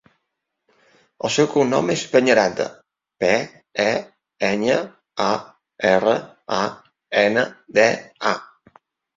El seu cognom és Peñaranda: pe, e, enya, a, erra, a, ena, de, a.